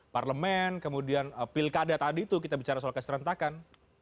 parlemen kemudian pilkada tadi itu kita bicara soal keserentakan